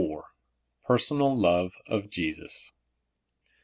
PERSONAL LOVE OF JESUS.